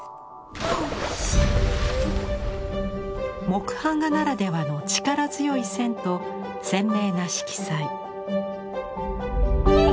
木版画ならではの力強い線と鮮明な色彩。